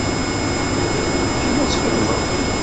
Ula d nekkini ad t-xedmeɣ.